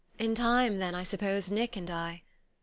"In time, then, I suppose, Nick and I...."